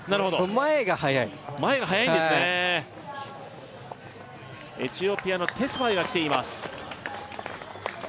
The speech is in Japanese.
前が速い前が速いんですねエチオピアのテスファイがきています